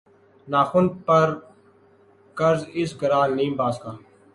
ناخن پہ قرض اس گرہ نیم باز کا